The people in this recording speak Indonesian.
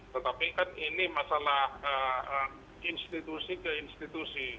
tetapi kan ini masalah institusi ke institusi